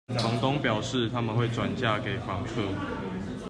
房東表示，他們會轉嫁給房客